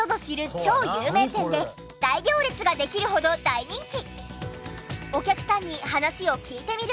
超有名店で大行列ができるほど大人気！